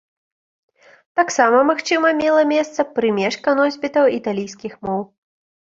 Таксама, магчыма мела месца прымешка носьбітаў італійскіх моў.